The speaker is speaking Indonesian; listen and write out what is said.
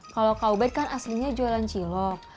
kalau kak ubed kan aslinya jualan cilok